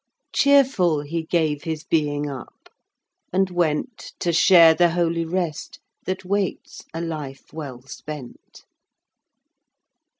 Cheerful he gave his being up, and went To share the holy rest that waits a life well spent.